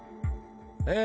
え